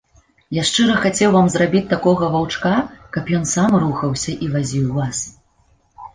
Я шчыра хацеў вам зрабіць такога ваўчка, каб ён сам рухаўся і вазіў вас.